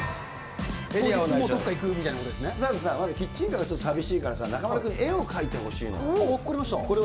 当日もどこか行くみたいなこまずさ、キッチンカーが寂しいから、中丸君に絵を描いてほしいのよ。